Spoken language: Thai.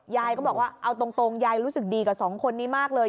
ยายก็บอกว่าเอาตรงยายรู้สึกดีกับสองคนนี้มากเลย